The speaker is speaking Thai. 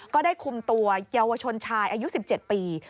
ก็ได้คุมตัวเยาวชนชายอายุ๑๗ปี